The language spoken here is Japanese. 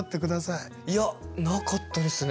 いやなかったですね。